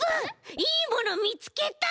いいものみつけた！